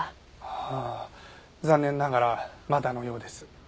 ああ残念ながらまだのようです。